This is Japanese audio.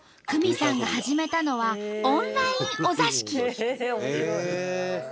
九美さんが始めたのはオンラインお座敷！